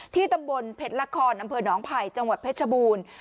ตำบลเพชรละครอำเภอหนองไผ่จังหวัดเพชรบูรณ์